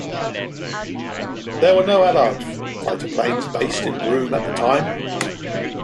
There were no Allied fighter planes based in Broome at the time.